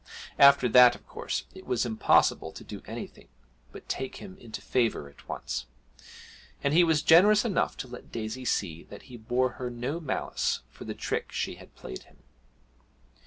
After that, of course, it was impossible to do anything but take him into favour at once, and he was generous enough to let Daisy see that he bore her no malice for the trick she had played him.